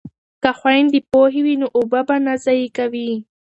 که خویندې پوهې وي نو اوبه به نه ضایع کوي.